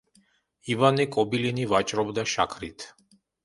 ივანე კობილინი ვაჭრობდა შაქრით.